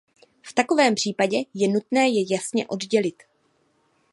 V takovém případě je nutné je jasně oddělit.